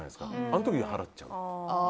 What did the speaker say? あの時に払っちゃう。